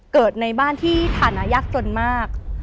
เกิดในบ้านที่ฐานะยากจนมาก